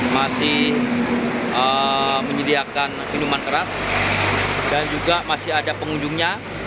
masih menyediakan minuman keras dan juga masih ada pengunjungnya